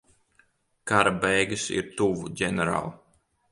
Kara beigas ir tuvu, ģenerāl.